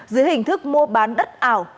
dưới hình thức mua bán đất ảo